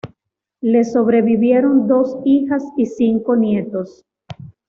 Le sobrevivieron dos hijas y cinco nietos.